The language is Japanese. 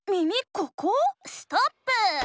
ここ⁉ストップー！